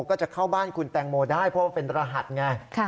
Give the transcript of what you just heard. ก็จะเข้าบ้านคุณแตงโมได้เพราะว่าเป็นรหัสไง